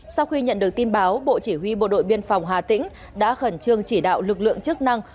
sau khi nhận được tin báo bộ chỉ huy bộ đội biên phòng hà tĩnh đã khẩn trương chỉ đạo lực lượng chức năng